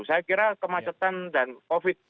saya kira kemacetan dan covid